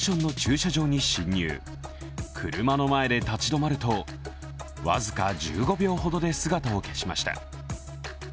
車の目の前で立ち止まると僅か１５秒ほどで姿を消しました。